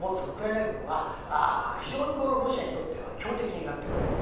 ウクライナ軍は非常にロシアにとっては強敵になってくる。